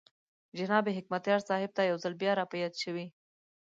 جناب حکمتیار صاحب ته یو ځل بیا را په یاد شوې.